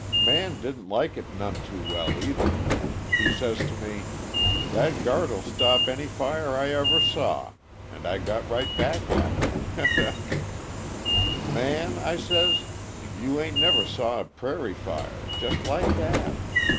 "Man didn't like it none too well, either. He says to me: 'That guard'll stop any fire I ever saw,' and I got right back at him he he! 'Man,' I says, 'you ain't never saw a prairie fire' just like that.